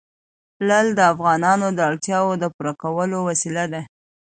لعل د افغانانو د اړتیاوو د پوره کولو وسیله ده.